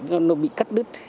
nó bị cắt đứt